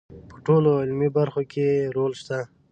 په ټولو علمي برخو کې یې رول شته.